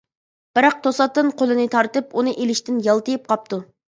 بىراق توساتتىن قولىنى تارتىپ، ئۇنى ئېلىشتىن يالتىيىپ قاپتۇ.